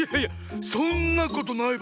そんなことないバン。